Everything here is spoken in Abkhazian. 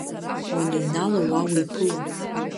Уаныҩнало уа иуԥыло…